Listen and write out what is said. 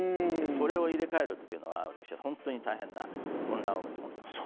それを入れ替えるってのは、私本当に大変な混乱を生むと思っています。